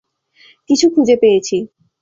কিছু খুঁজে পেয়েছি।